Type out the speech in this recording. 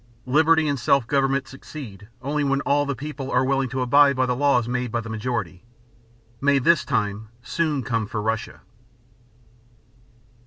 Liberty and self government succeed only when all the people are willing to abide by the laws made by the majority. May this time soon come for Russia!